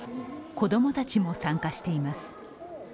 子供たちも参加しています。